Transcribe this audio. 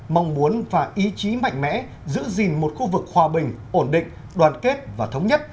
mong muốn và ý chí mạnh mẽ giữ gìn một khu vực hòa bình ổn định đoàn kết và thống nhất